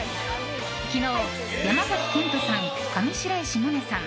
昨日、山崎賢人さん上白石萌音さん